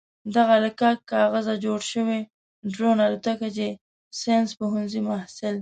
دغه له کاک کاغذه جوړه شوې ډرون الوتکه چې د ساينس پوهنځي محصل